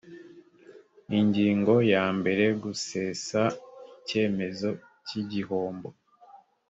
ingingo ya mbere gusesa icyemezo cy igihombo